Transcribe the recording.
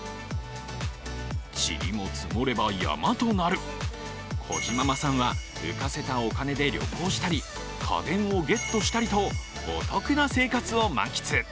ちりも積もれば山となる、こじままさんは、浮かせたお金で旅行したり家電をゲットしたりと、お得な生活を満喫。